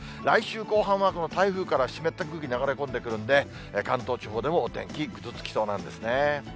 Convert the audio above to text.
来週後半はこの台風から湿った空気、流れ込んでくるんで、関東地方でもお天気、ぐずつきそうなんですね。